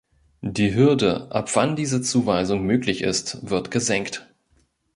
Die Hürde, ab wann diese Zuweisung möglich ist, wird gesenkt.